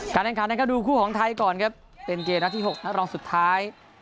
การแรงขาดดูคู่ของไทยก่อนครับเป็นเกมนักที่หกนักรองสุดท้าย